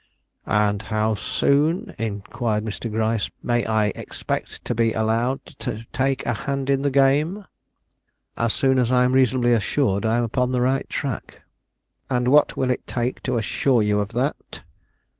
"And how soon," inquired Mr. Gryce, "may I expect to be allowed to take a hand in the game?" "As soon as I am reasonably assured I am upon the right tack." "And what will it take to assure you of that?"